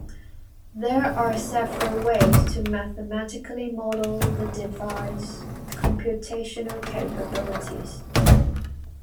There are several ways to mathematically model the device's computational capabilities.